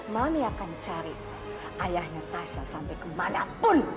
mami akan cari ayahnya tasya sampai kemanapun